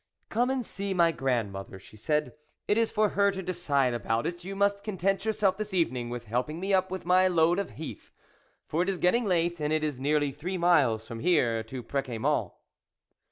'.' Come and see my grandmother," she said, " it is for her to decide about it ; you must content yourself this evening with helping me up with my load of heath, for it is getting late, and it is nearly three miles from here to Preciamont."